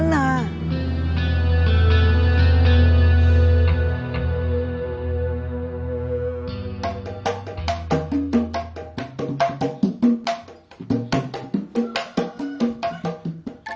aku mau ke rumah